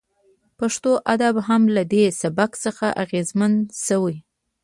پښتو ادب هم له دې سبک څخه اغیزمن شو